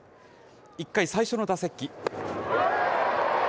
１回最初の打席。